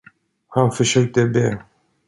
Hon försökte be.